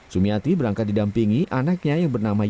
sumiati berangkat didampingi anaknya yang bernama